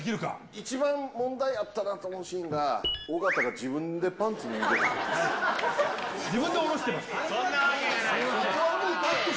一番問題あったなというシーンが、尾形が自分でパンツ脱いでたんです。